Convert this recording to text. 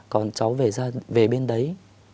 còn cháu về bên đấy